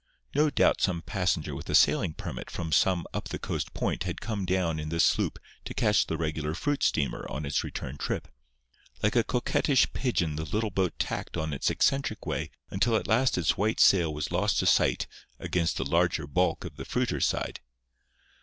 No doubt some passenger with a sailing permit from some up the coast point had come down in this sloop to catch the regular fruit steamer on its return trip. Like a coquettish pigeon the little boat tacked on its eccentric way until at last its white sail was lost to sight against the larger bulk of the fruiter's side.